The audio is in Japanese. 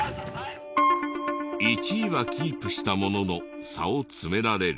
１位はキープしたものの差を詰められる。